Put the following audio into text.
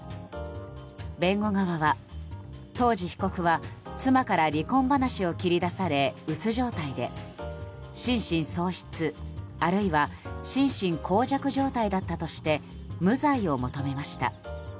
弁護側は、当時被告は妻から離婚話を切り出されうつ状態で、心神喪失あるいは心神耗弱状態だったとして無罪を求めました。